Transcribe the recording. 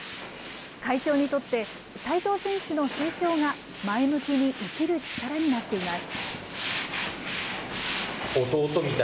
会長にとって、齋藤選手の成長が、前向きに生きる力になっています。